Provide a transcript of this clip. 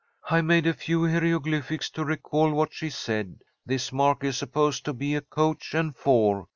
I made a few hieroglyphics to recall what she said. This mark is supposed to be a coach and four.